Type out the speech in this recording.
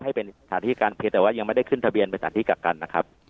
ให้เป็นสถานที่การเพียงแต่ว่ายังไม่ได้ขึ้นทะเบียนเป็นสถานที่กักกันนะครับ